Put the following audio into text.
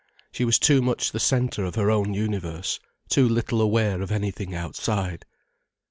She was too much the centre of her own universe, too little aware of anything outside.